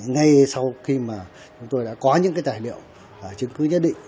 ngay sau khi mà chúng tôi đã có những cái tài liệu chứng cứ nhất định